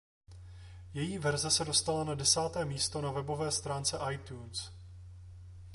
Její verze se dostala na desáté místo na webové stránce iTunes.